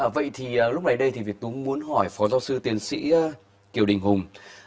vậy thì lúc này đây thì việt tú muốn hỏi phó giáo sư tiến sĩ kiều đình hùng